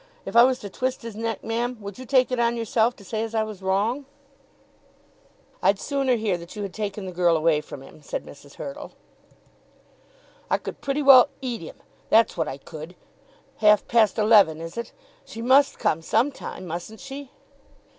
If I was to twist his neck, ma'am, would you take it on yourself to say as I was wrong?" "I'd sooner hear that you had taken the girl away from him," said Mrs. Hurtle. "I could pretty well eat him, that's what I could. Half past eleven; is it? She must come some time, mustn't she?"